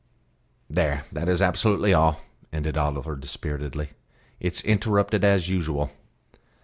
There that is absolutely all," ended Oliver dispiritedly. "It's interrupted as usual."